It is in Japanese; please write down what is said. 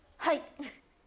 はい。